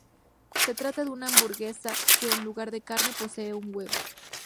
Se trata de una hamburguesa que en lugar de carne posee un huevo.